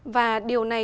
và điều này